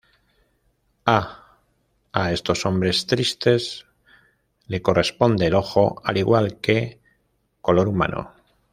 A "A estos hombres tristes" le corresponde el ojo, al igual que "Color humano".